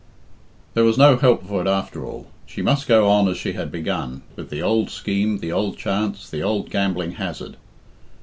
There was no help for it after all she must go on as she had begun, with the old scheme, the old chance, the old gambling hazard.